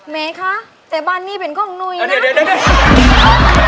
ไหมคะแต่บ้านนี้เป็นของหนุ่ยนะ